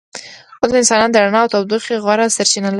اوس انسانان د رڼا او تودوخې غوره سرچینه لري.